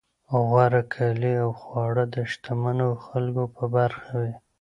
غوره کالي او خواړه د شتمنو خلکو په برخه وي.